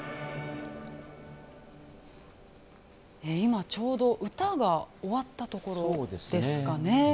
今、ちょうど歌が終わったところですかね。